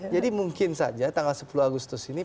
jadi mungkin saja tanggal sepuluh agustus ini